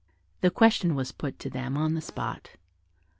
The question was put to them on the spot.